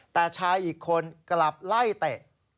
แต่ชายอีกคนกลับไล่เตะ